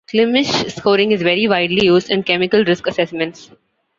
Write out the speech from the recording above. Klimisch scoring is very widely used in chemical risk assessments.